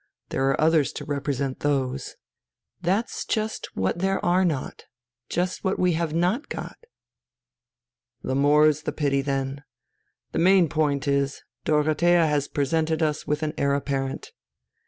There are others to represent those...." "That's just what there are not; just what we have not got." "The more's the pity, then. The main point is, Dorothea has presented us with an Heir Apparent."